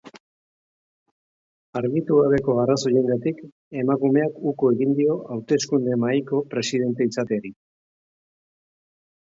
Argitu gabeko arrazoiengatik, emakumeak uko egin dio hauteskunde-mahaiko presidente izateari.